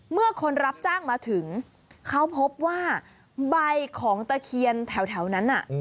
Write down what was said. เมื่อคนรับจ้างมาถึงเขาพบว่าใบของตะเคียนแถวนั้นน่ะ